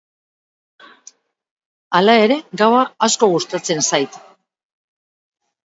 Hala ere, gaua asko gustatzen zait.